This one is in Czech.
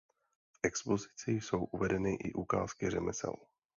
V expozici jsou uvedeny i ukázky řemesel.